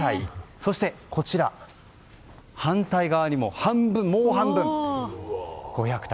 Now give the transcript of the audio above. そして、こちら反対側にも半分、もう半分５００体。